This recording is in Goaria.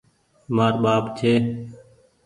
مآر ٻآپ ڇي۔